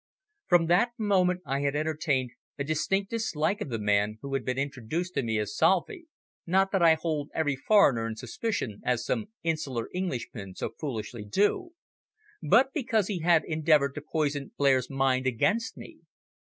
From that moment I had entertained a distinct dislike of the man who had been introduced to me as Salvi, not that I hold every foreigner in suspicion as some insular Englishmen so foolishly do, but because he had endeavoured to poison Blair's mind against me.